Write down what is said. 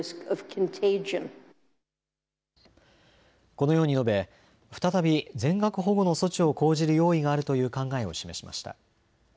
このように述べ再び全額保護の措置を講じる用意があるという考えを示しました。